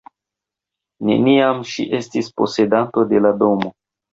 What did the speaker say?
Neniam ŝi estis posedanto de la domo.